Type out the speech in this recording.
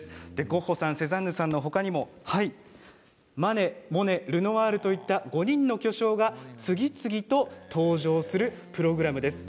ゴッホさん、セザンヌさんのほかにもマネ、モネ、ルノアールといった５人の巨匠が次々と登場するプログラムです。